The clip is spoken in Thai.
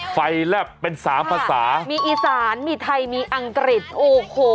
แลบเป็นสามภาษามีอีสานมีไทยมีอังกฤษโอ้โห